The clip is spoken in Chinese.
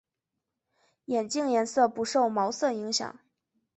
眼镜颜色不受毛色影响。